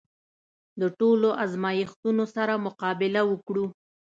د ټولو ازمېښتونو سره مقابله وکړو.